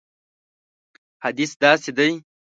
حدیث داسې دی.